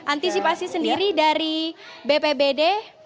antisipasi sendiri dari bpbd